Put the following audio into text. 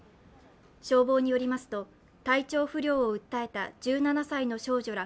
消防によりますと、体調不良を訴えた１７歳の少女ら